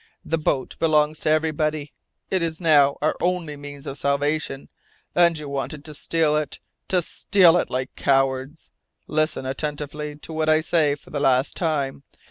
The boat belongs to everybody. It is now our only means of salvation, and you wanted to steal it to steal it like cowards! Listen attentively to what I say for the last time!